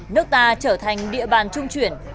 nước ta trở thành địa bàn trung chuyển